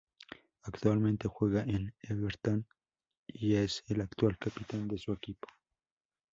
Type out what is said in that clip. Actualmente juega en Everton y es el actual capitán de su equipo.